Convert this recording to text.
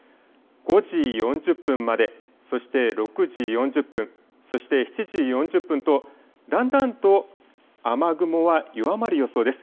５時４０分まで、そして６時４０分、そして７時４０分とだんだんと雨雲は弱まる予想です。